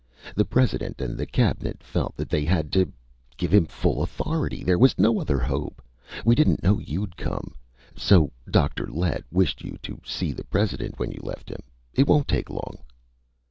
The President and the Cabinet felt that they had to ... give him full authority. There was no other hope! We didn't know you'd come. So ... Dr. Lett wished you to see the President when you left him. It won't take long!"